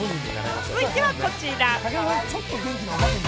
続いてはこちら。